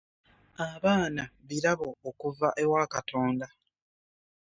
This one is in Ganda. Abaana birabo okuva ewa Katonda.